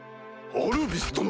アルビス殿！